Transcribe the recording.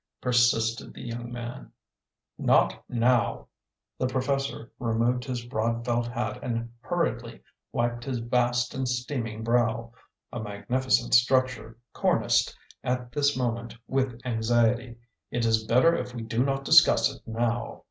persisted the young man. "Not now!" The professor removed his broad felt hat and hurriedly wiped his vast and steaming brow a magnificent structure, corniced, at this moment, with anxiety. "It is better if we do not discuss it now."